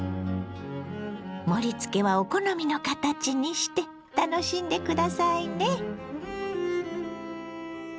盛りつけはお好みの形にして楽しんで下さいね。